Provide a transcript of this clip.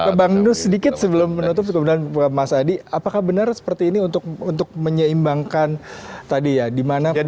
ke bang nus sedikit sebelum menutup kemudian mas adi apakah benar seperti ini untuk menyeimbangkan tadi ya